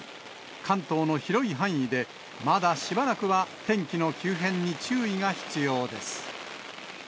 関東の広い範囲で、まだしばらくは天気の急変に注意が必要です。